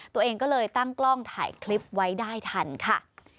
ตัวเองก็เลยตั้งกล้องถ่ายคลิปไว้ได้ทันค่ะ